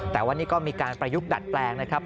แต่วันนี้ก็มีการประยุกต์ดัดแปลงนะครับ